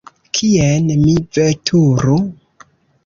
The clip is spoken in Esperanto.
Kien mi veturu?